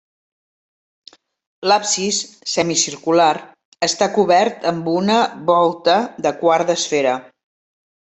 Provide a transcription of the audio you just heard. L'absis, semicircular, està cobert amb una volta de quart d'esfera.